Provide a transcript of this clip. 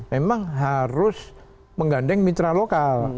memang harus menggandeng mitra lokal